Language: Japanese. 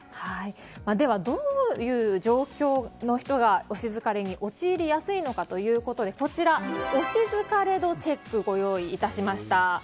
では、どういう状況の人が推し疲れに陥りやすいのかということで推し疲れ度チェックをご用意しました。